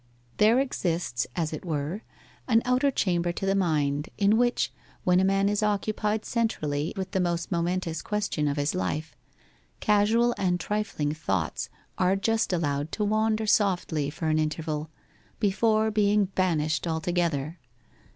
There exists, as it were, an outer chamber to the mind, in which, when a man is occupied centrally with the most momentous question of his life, casual and trifling thoughts are just allowed to wander softly for an interval, before being banished altogether.